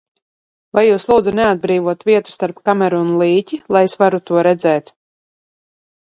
Vai jūs, lūdzu, neatbrīvotu vietu starp kameru un līķi, lai es varu to redzēt?